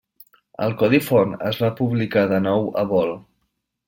El codi font es va publicar de nou a Vol.